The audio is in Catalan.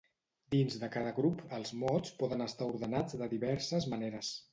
Dins de cada grup els mots poden estar ordenats de diverses maneres.